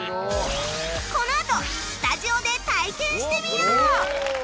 このあとスタジオで体験してみよう！